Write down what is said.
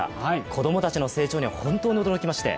子供たちの成長には本当に驚きました。